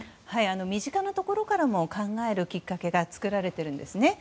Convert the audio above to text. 身近なところからも考えるきっかけが作られているんですね。